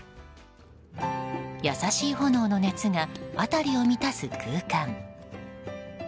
優しい炎の熱が辺りを満たす空間。